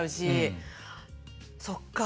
そっか。